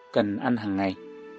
cần ăn hàng ngày